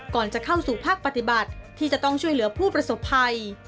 ก่อนจะเข้าสู่ภาคปฏิบัติที่จะต้องช่วยเหลือผู้ประสบภัย